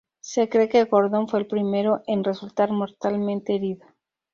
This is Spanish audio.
Se cree que Gordon fue el primero en resultar mortalmente herido.